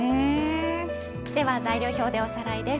材料表でおさらいです。